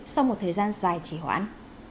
sau một thời gian dài chỉ hoãn